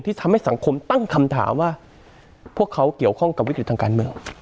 ทำให้สังคมตั้งคำถามว่าพวกเขาเกี่ยวข้องกับวิกฤตทางการเมือง